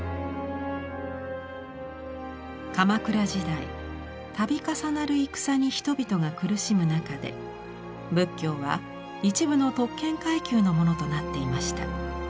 鎌倉時代度重なる戦に人々が苦しむ中で仏教は一部の特権階級のものとなっていました。